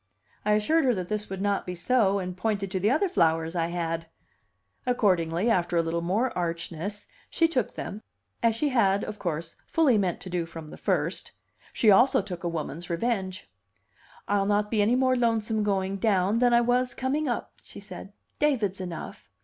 I assured her that this would not be so, and pointed to the other flowers I had. Accordingly, after a little more archness, she took them, as she had, of course, fully meant to do from the first; she also took a woman's revenge. "I'll not be any more lonesome going down than I was coming up," she said. "David's enough."